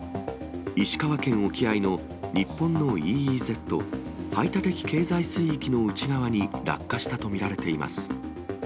石川県沖合の日本のＥＥＺ・排他的経済水域の内側に落下したと見られています。